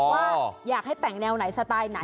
ว่าอยากให้แต่งแนวไหนสไตล์ไหน